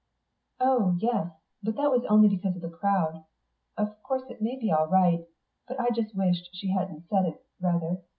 "Oh yes. But that was only because of the crowd.... Of course it may be all right but I just wished she hadn't said it, rather.